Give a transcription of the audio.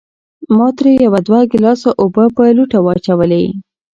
ما ترې يو دوه ګلاسه اوبۀ پۀ لوټه واچولې